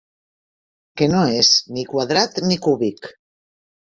Que no és ni quadrat ni cúbic.